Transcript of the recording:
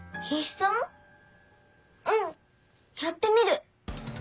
うんやってみる。